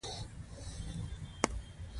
موږ ماښام له ملګرو سره په باغ کې لنډه ناسته وکړه.